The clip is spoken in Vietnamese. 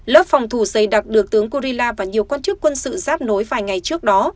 lớp phòng thủ dày đặc được tướng kurila và nhiều quan chức quân sự giáp nối vài ngày trước đó